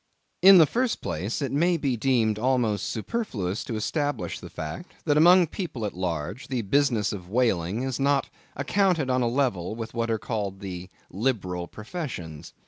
In the first place, it may be deemed almost superfluous to establish the fact, that among people at large, the business of whaling is not accounted on a level with what are called the liberal professions.